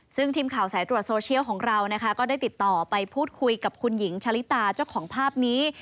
ซึ่งทีมข่าวสายตรวจโซเชียลของเรานะคะก็ได้ติดต่อไปพูดคุยกับคุณหญิงชะลิตาเจ้าของภาพนี้